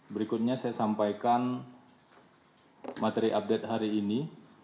berikutnya saya sampaikan materi update hari ini